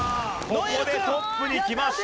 ここでトップにきました。